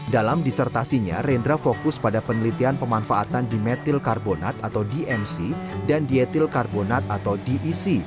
dalam disertasinya rendra fokus pada penelitian pemanfaatan dimethylkarbonat atau dmc dan dietilkarbonat atau dec